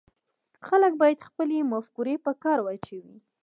خلک باید خپلې مفکورې په کار واچوي